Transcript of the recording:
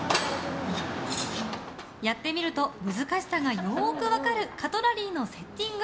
やってみると難しさがよく分かるカトラリーのセッティング。